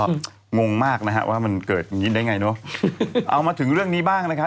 ก็งงมากนะฮะว่ามันเกิดอย่างงี้ได้ไงเนอะเอามาถึงเรื่องนี้บ้างนะครับ